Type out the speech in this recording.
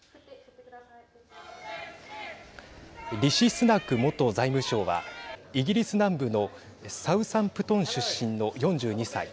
リシ・スナク元財務相はイギリス南部のサウサンプトン出身の４２歳。